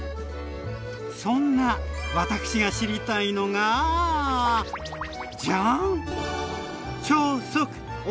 そんな私が知りたいのがジャーン！